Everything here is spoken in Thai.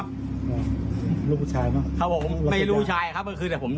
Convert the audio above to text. นี่ค่ะไม่กลัวความผิดไม่กลัวถูกดำเนินคดีด้วยคุณผู้ชมค่ะ